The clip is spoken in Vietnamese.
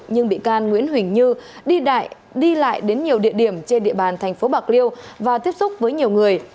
nhưng bị can nguyễn huỳnh như đi lại đến nhiều địa điểm trên địa bàn thành phố bạc liêu và tiếp xúc với nhiều người